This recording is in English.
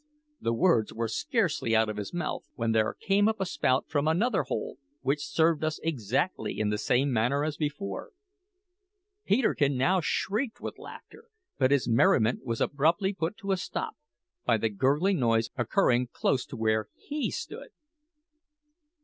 The words were scarcely out of his mouth when there came up a spout from another hole, which served us exactly in the same manner as before. Peterkin now shrieked with laughter; but his merriment was abruptly put a stop to by the gurgling noise occurring close to where he stood.